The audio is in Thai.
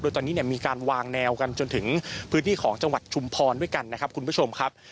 โดยตอนนี้เนี่ยมีการวางแนวกันจนถึงพื้นที่ของจังหวัดชุมพรด้วยกันนะครับคุณผู้ชมครับ